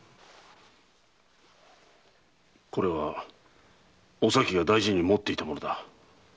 これはお咲が大事に持っていたものだ。